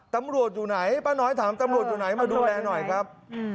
ตำรวจอยู่ไหนป้าน้อยถามตำรวจอยู่ไหนมาดูแลหน่อยครับ